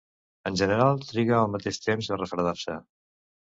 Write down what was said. En general, triga el mateix temps a refredar-se.